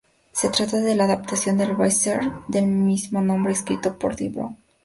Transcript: Se trata de la adaptación del best-seller del mismo nombre escrito por Dee Brown.